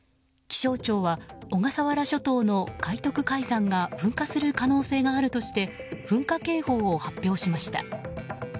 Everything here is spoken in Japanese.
気象庁は小笠原諸島の海徳海山が噴火する可能性があるとして噴火警報を発表しました。